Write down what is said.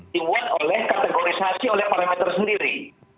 dibuat oleh kategorisasi oleh parameter sendiri